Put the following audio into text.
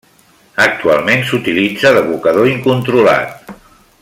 Actualment s'utilitza d'abocador incontrolat.